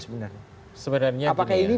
sebenarnya apakah ini